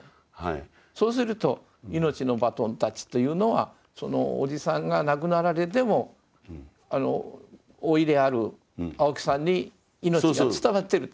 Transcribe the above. そうすると「命のバトンタッチ」というのはそのおじさんが亡くなられても甥である青木さんに命が伝わってると。